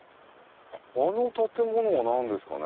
あの建物は何ですかね。